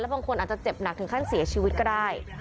บางคนอาจจะเจ็บหนักถึงขั้นเสียชีวิตก็ได้